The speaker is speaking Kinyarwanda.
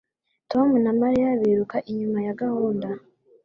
Tom na Mariya biruka inyuma ya gahunda